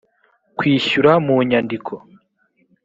kwishyura mu nyandiko